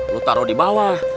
lu taruh di bawah